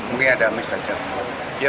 mungkin ada misalnya